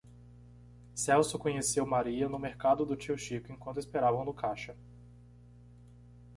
celso conheceu maria no mercado do tio chico enquanto esperavam no caixa